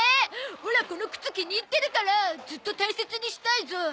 オラこの靴気に入ってるからずっと大切にしたいゾ。